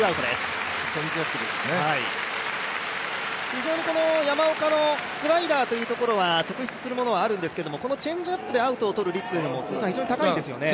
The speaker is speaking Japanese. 非常に山岡のスライダーは特筆すべきものがあるんですけれども、このチェンジアップでアウトを取る率も非常に高いですよね。